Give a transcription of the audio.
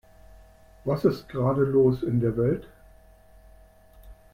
Was ist gerade los in der Welt?